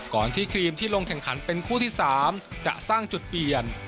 ก่อนที่ครีมที่ลงแข่งขันเป็นคู่ที่๓จะสร้างจุดเปลี่ยน